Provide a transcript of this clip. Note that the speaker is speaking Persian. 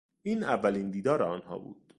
این اولین دیدار آنها بود.